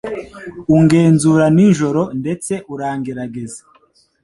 ungenzura nijoro ndetse urangerageza